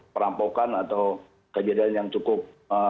perampokan atau kejadian yang cukup